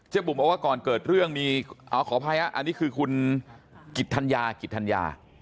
เจ้าบุ๋มบอกว่าก่อนเกิดเรื่องมีขออภัยนะอันนี้คือคุณกิจทัญญา